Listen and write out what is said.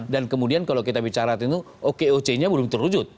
dan kemudian kalau kita bicara itu okoc nya belum terwujud